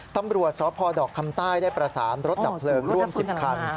ตำรวจสพดอกคำใต้ได้ประสานรถดับเพลิงร่วม๑๐คัน